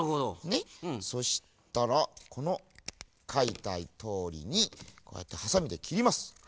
ねそしたらこのかいたとおりにこうやってはさみできります。